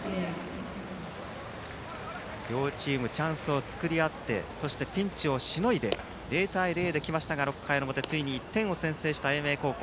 両チーム、チャンスを作り合ってそしてピンチをしのいで０対０で来ましたが６回の表、ついに１点を先制した英明高校。